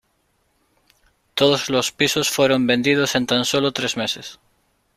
Todos los pisos fueron vendidos en tan sólo tres meses.